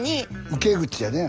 受け口やね。